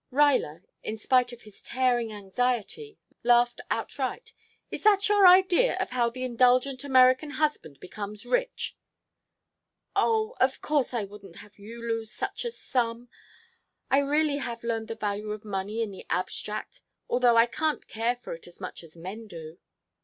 Ruyler, in spite of his tearing anxiety, laughed outright. "Is that your idea of how the indulgent American husband becomes rich?" "Oh of course I wouldn't have you lose such a sum. I really have learned the value of money in the abstract, although I can't care for it as much as men do."